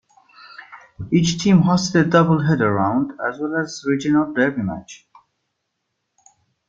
Each team hosted a double header round as well as a regional derby match.